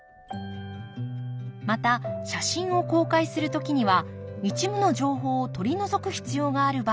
また写真を公開する時には一部の情報を取り除く必要がある場合もあります。